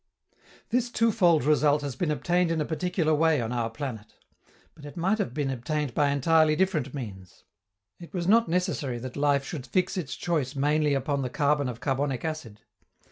This twofold result has been obtained in a particular way on our planet. But it might have been obtained by entirely different means. It was not necessary that life should fix its choice mainly upon the carbon of carbonic acid.